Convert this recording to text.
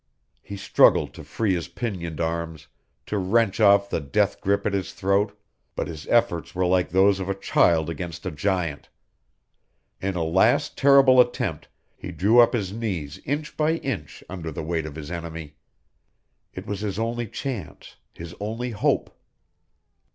He struggled to free his pinioned arms, to wrench off the death grip at his throat, but his efforts were like those of a child against a giant. In a last terrible attempt he drew up his knees inch by inch under the weight of his enemy; it was his only chance, his only hope.